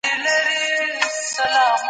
افغانان د خپلو ارزښتونو پر بنسټ پرمختګ کوي.